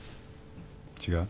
違う？